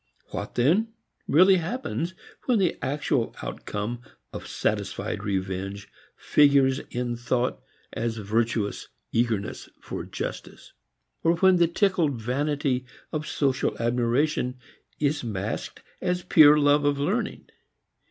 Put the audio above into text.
What, then, really happens when the actual outcome of satisfied revenge figures in thought as virtuous eagerness for justice? Or when the tickled vanity of social admiration is masked as pure love of learning?